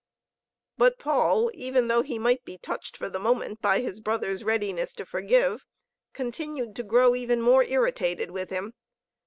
But Paul, though he might be touched for the moment by his brother's readiness to forgive, continued to grow even more irritated with him.